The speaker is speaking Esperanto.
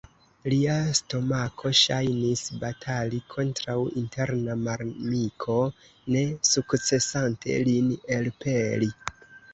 Lia stomako ŝajnis batali kontraŭ interna malamiko, ne sukcesante lin elpeli.